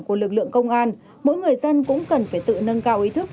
của lực lượng công an mỗi người dân cũng cần phải tự nâng cao ý thức